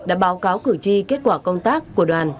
đã báo cáo cử tri kết quả công tác của đoàn